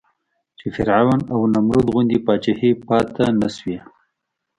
چې فرعون او نمرود غوندې پاچاهۍ پاتې نه شوې.